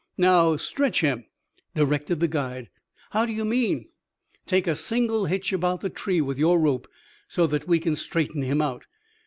"Now stretch him," directed the guide. "How do you mean?" "Take a single hitch about the tree with your rope, so that we can straighten him out."